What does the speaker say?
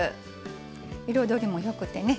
彩りもよくてね